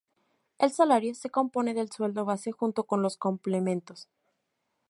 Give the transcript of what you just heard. El salario se compone del sueldo base junto con los complementos.